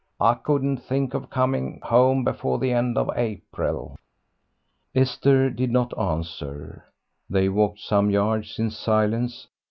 I couldn't think of coming home before the end of April." Esther did not answer. They walked some yards in silence.